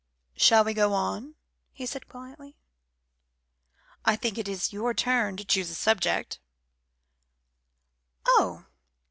"Shall we go on?" he said quietly. "I think it is your turn to choose a subject " "Oh!